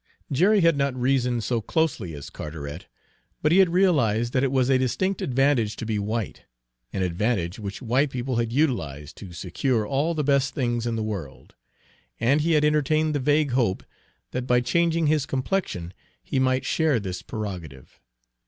Jerry had not reasoned so closely as Carteret, but he had realized that it was a distinct advantage to be white, an advantage which white people had utilized to secure all the best things in the world; and he had entertained the vague hope that by changing his complexion he might share this prerogative.